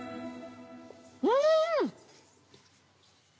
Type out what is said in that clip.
うん！